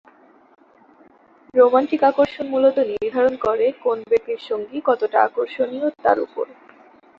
Romantic আকর্ষণ মূলত নির্ধারণ করে কোন ব্যক্তির সঙ্গী কতটা আকর্ষণীয় তার উপর।